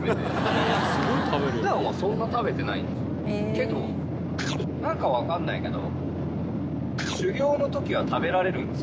けど何か分かんないけど。